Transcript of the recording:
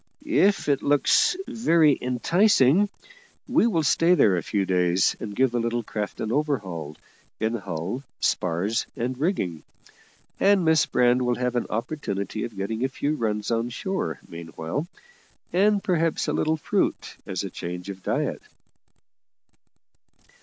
If it looks very enticing, we will stay there a few days, and give the little craft an overhaul in hull, spars, and rigging; and Miss Brand will have an opportunity of getting a few runs on shore meanwhile, and perhaps a little fruit as a change of diet."